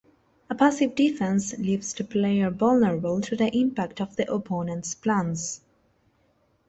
A passive defense leaves the player vulnerable to the impact of the opponent's plans.